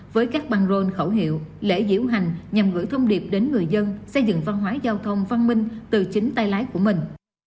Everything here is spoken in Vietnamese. với các băng rôn khẩu hiệu lễ diễu hành nhằm gửi thông điệp đến người dân xây dựng văn hóa giao thông văn minh từ chính tay lái của mình